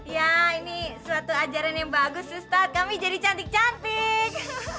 ya ini suatu ajaran yang bagus ustadz kami jadi cantik cantik